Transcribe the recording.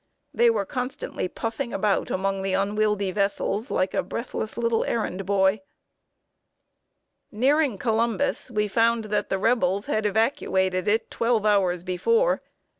They were constantly puffing about among the unwieldy vessels like a breathless little errand boy. [Sidenote: The "Gibraltar of the West."] Nearing Columbus, we found that the Rebels had evacuated it twelve hours before.